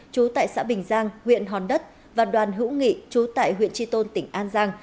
chú tại xã bình giang huyện hòn đất và đoàn hữu nghị chú tại huyện tri tôn tỉnh an giang